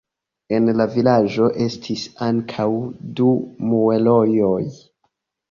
En la vilaĝo estis ankaŭ du muelejoj.